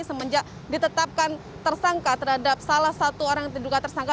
semenjak ditetapkan tersangka terhadap salah satu orang yang diduga tersangka